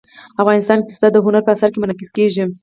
افغانستان کې پسه د هنر په اثار کې منعکس کېږي.